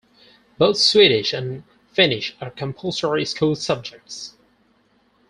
Both Swedish and Finnish are compulsory school subjects.